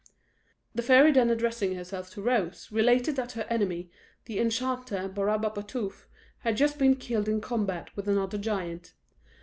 The fairy then addressing herself to Rose, related that her enemy, the Enchanter Barabapatapouf, had just been killed in combat with another giant.